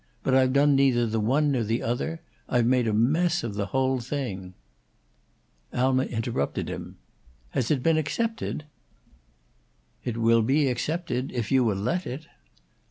But I've done neither the one nor the other; I've made a mess of the whole thing." Alma interrupted him. "Has it been accepted?" "It will be accepted, if you will let it."